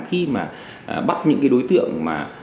khi mà bắt những đối tượng